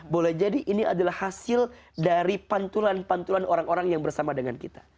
boleh jadi ini adalah hasil dari pantulan pantulan orang orang yang bersama dengan kita